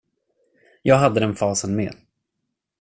Jag hade den fasen med.